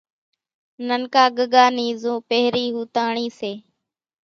ننڪا ڳڳا نِي زو پھرين ھوتنڻي سي۔